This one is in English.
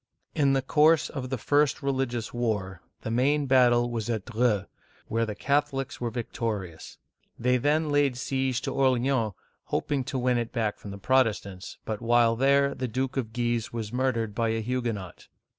In the course of the first religious war the main battle was at Dreux (dre, 1562), where the Catholics were victo rious. They then laid siege to Orleans, hoping to win it back from the Protestants, but while there the Duke of Guise was murdered by a Huguenot.